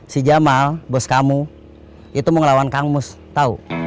si jamal bos kamu itu mau ngelawan kang mus tau